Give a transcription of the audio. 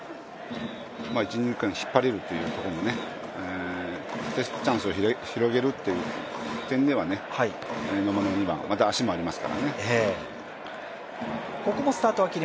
一・二塁間に引っ張れるというところ、チャンスを広げるという点では、野間の２番、足もありますからね。